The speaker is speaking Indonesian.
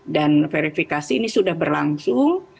verifikasi ini sudah berlangsung